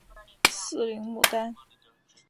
四棱牡丹